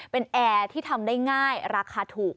เป็นแอร์ที่ทำได้ง่ายราคาถูก